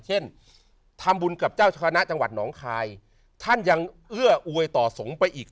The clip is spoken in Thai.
เช่นทำบุญกับเจ้าคณะจังหวัดหนองคายท่านยังเอื้ออวยต่อสงฆ์ไปอีก